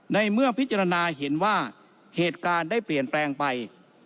ในเมื่อพิจารณาเห็นว่าเหตุการณ์ได้เปลี่ยนแปลงไป